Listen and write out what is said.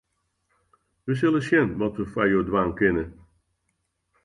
Wy sille sjen wat we foar jo dwaan kinne.